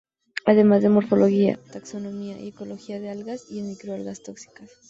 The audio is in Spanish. Además en morfología, taxonomía y ecología de algas, y en microalgas tóxicas.